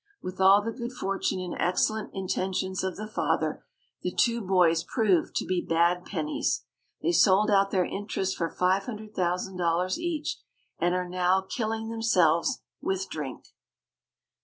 With all the good fortune and excellent intentions of the father the two boys proved to be bad Pennies. They sold out their interests for $500,000 each and are now killing themselves with drink.